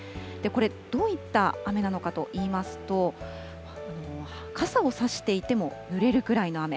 これ、どういった雨なのかといいますと、傘を差していてもぬれるくらいの雨。